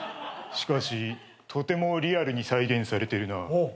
しかしとてもリアルに再現されてるな。